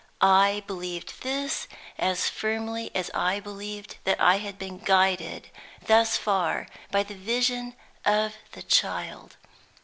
I believed this as firmly as I believed that I had been guided, thus far, by the vision of the child.